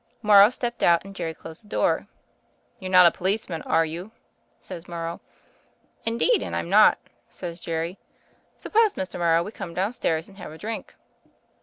Morrow stepped out, and Jerry closed the door. *You're not a policeman are you?' says Morrow. 'In deed, and I'm not,' says Jerry. 'Suppose, Mr. Morrow, we come downstairs and have a drink.'